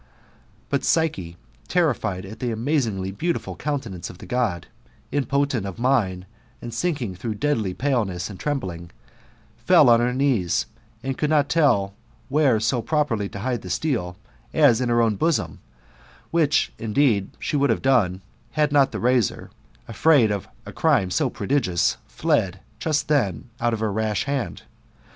* But Psyche, terrified at the amaaiingly beautiful countenance of the God, impotent of mind, sinking through deadly paleness, and trembling, fell on her knees, and could not tdl where sq properly to hide the steel, as in her own bosoni, which, indexed,* she would have done, had not the razor, afraid of a crime so prodigious, fled just then out of her rash hand.